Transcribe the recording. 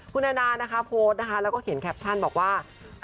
คุณแอนานานะคะโพสต์นะคะแล้วก็เขียนแคปชั่นบอกว่า